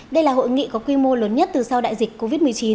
đây là hội nghị có quy mô lớn nhất từ sau đại dịch covid một mươi chín